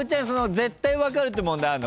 絶対分かるって問題あんの？